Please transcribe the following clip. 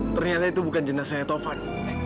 ternyata itu bukan jenazahnya tovan